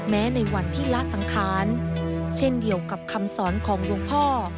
ในวันที่ละสังขารเช่นเดียวกับคำสอนของหลวงพ่อ